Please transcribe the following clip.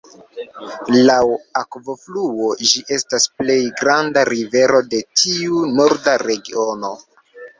Laŭ akvofluo, ĝi etas plej granda rivero de tiu Norda regiono.